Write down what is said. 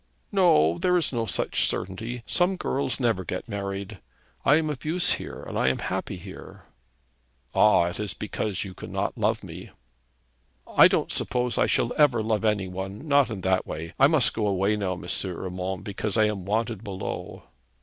'No; there is no such certainty. Some girls never get married. I am of use here, and I am happy here.' 'Ah! it is because you cannot love me.' 'I don't suppose I shall ever love any one, not in that way. I must go away now, M. Urmand, because I am wanted below.'